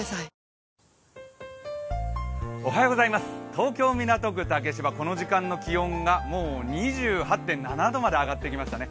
東京・港区竹芝、この時間の気温がもう２８．７度まで上がってきましたね。